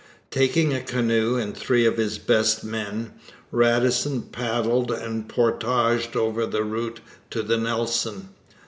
Taking a canoe and three of his best men, Radisson paddled and portaged over this route to the Nelson.